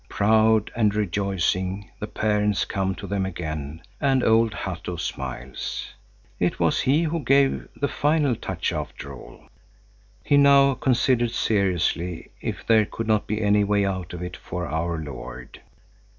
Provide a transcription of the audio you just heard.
Proud and rejoicing, the parents come to them again and old Hatto smiles. It was he who gave the final touch after all. He now considered seriously if there could not be any way out of it for our Lord.